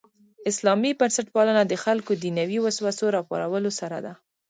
اسلامي بنسټپالنه د خلکو دنیوي وسوسو راپارولو سره ده.